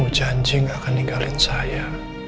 kamu janji gak akan meninggalkan saya